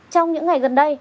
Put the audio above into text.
trong những ngày gần đây